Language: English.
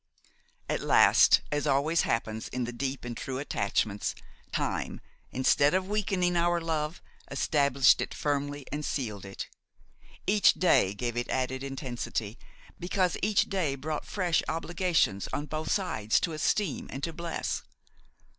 "At last, as always happens in deep and true attachments, time, instead of weakening our love, established it firmly and sealed it; each day gave it added intensity, because each day brought fresh obligations on both sides to esteem and to bless.